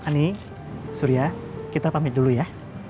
ini surya kita pamit dulu ya